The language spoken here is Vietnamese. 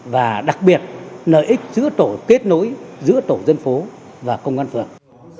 và đặc biệt lợi ích kết nối giữa tổ dân phố và công an phường